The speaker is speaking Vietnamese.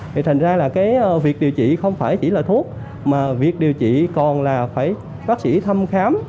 thì thành ra là cái việc điều trị không phải chỉ là thuốc mà việc điều trị còn là phải bác sĩ thăm khám